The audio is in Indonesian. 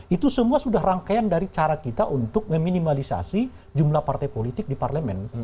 itu semua sudah rangkaian dari cara kita untuk meminimalisasi jumlah partai politik di parlemen